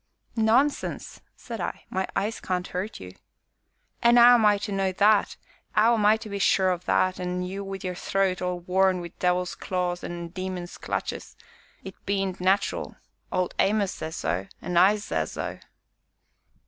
"Nonsense!" said I; "my eyes can't hurt you." "An' 'ow am I to know that, 'ow am I to be sure o' that; an' you wi' your throat all torn wi' devil's claws an' demon's clutches it bean't nat'ral Old Amos says so, an' I sez so."